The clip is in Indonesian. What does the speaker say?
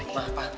eh oh maaf pak